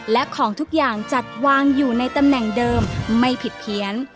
และของทุกอย่างจัดวางอยู่ในตำแหน่งเดิมไม่ผิดเพี้ยน